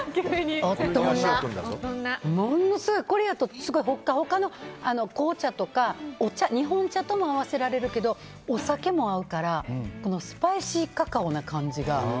これやとホッカホカの紅茶とか日本茶とも合わせられるけどお酒も合うからスパイシーカカオな感じが。